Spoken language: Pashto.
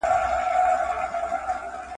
• د حلوا په ويلو خوله نه خوږه کېږي.